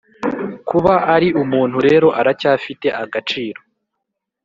kuba ari umuntu rero aracyafite agaciro,